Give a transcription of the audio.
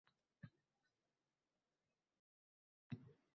mahrum qilinadi, siyosiy birlashishni - hatto gapirishning ham hojati yo‘q.